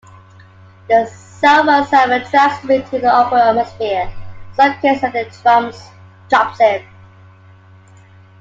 The "Silver Surfer" drags him into the upper atmosphere, suffocates and then drops him.